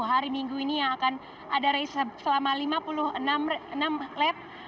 hari minggu ini yang akan ada race selama lima puluh enam lab